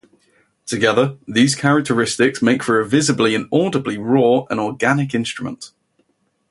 Together, these characteristics make for a visibly and audibly raw and organic instrument.